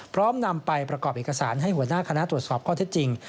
นำไปประกอบเอกสารให้หัวหน้าคณะตรวจสอบข้อเท็จจริง